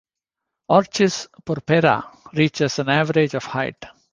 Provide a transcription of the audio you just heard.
"Orchis purpurea" reaches on average of height.